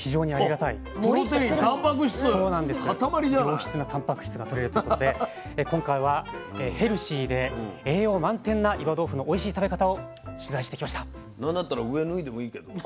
良質なたんぱく質がとれるということで今回はヘルシーで栄養満点な岩豆腐のおいしい食べ方を取材してきました。